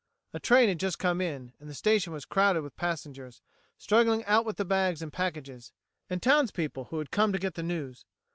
A train had just come in, and the station was crowded with passengers, struggling out with the bags and packages, and townspeople who had come to get the news.